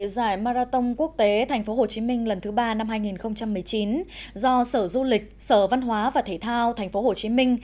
giải marathon quốc tế tp hcm lần thứ ba năm hai nghìn một mươi chín do sở du lịch sở văn hóa và thể thao tp hcm